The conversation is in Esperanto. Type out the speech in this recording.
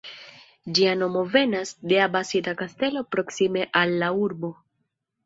Ĝia nomo venas de abasida kastelo proksime al la urbo.